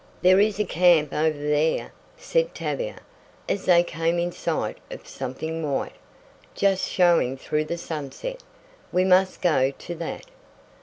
"There is a camp over there," said Tavia, as they came in sight of something white, just showing through the sunset. "We must go to that."